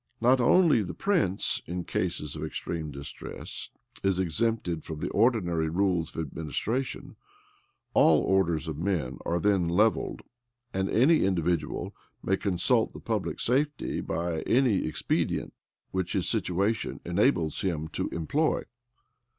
Not only the prince, in cases of extreme distress, is exempted from the ordinary rules of administration: all orders of men are then levelled; and any individual may consult the public safety by any expedient which his situation enables him to employ.